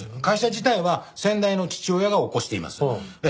会社自体は先代の父親が起こしています。